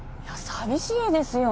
寂しいですよ